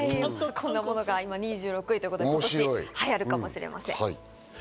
これが今２６位ということで今年流行るかもしれません。